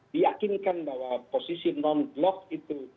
diakinkan bahwa posisi non blog itu